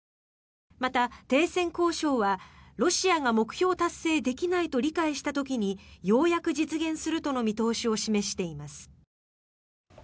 また、停戦交渉はロシアが目標達成できないと理解した時にようやく実現するとの見通しを示しています。